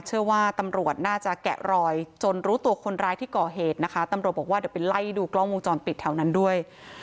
เชื่อว่าตำรวจน่าจะแกะรอยจนรู้ตัวคนร้ายที่ก่อเหตุนะคะตำรวจบอกว่าเดี๋ยวไปไล่ดูกล้องวงจรปิดแถวนั้นด้วย